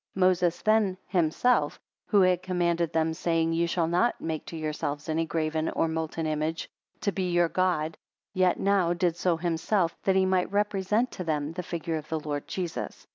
9 Moses then himself, who had commanded them, saying, Ye shall not make to yourselves any graven or molten image, to be your God yet now did so himself, that he might represent to them the figure of the Lord Jesus.